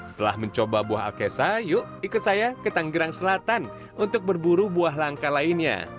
setelah mencoba buah alkesa yuk ikut saya ke tanggerang selatan untuk berburu buah langka lainnya